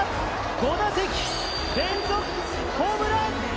５打席連続ホームラン。